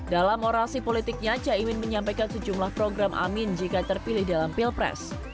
dalam orasi politiknya caimin menyampaikan sejumlah program amin jika terpilih dalam pilpres